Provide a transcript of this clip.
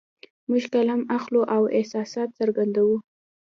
موږ قلم اخلو او احساسات څرګندوو